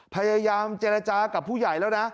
พยายามเจรจากับผู้ใหญ่แล้วนะ